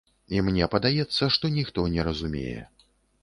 І мне падаецца, што ніхто не разумее.